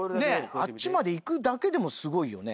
あっちまでいくだけでもすごいよね。